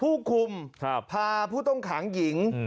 ผู้คุมพาผู้ต้องขังหญิง